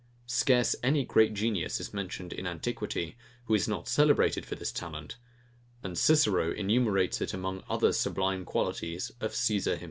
Scarce any great genius is mentioned in antiquity, who is not celebrated for this talent; and Cicero enumerates it among the other sublime qualities of Caesar himself.